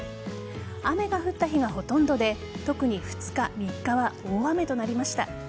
雨が降った日がほとんどで特に２日、３日は大雨となりました。